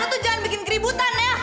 eh lo tuh jangan bikin keributan ya